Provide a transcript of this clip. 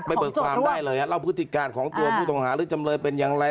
ไม่เปิดความได้เลยครับเล่าพฤติการณ์ของตัวผู้ต่องหายฤทธิ์จำเลยเป็นยังไง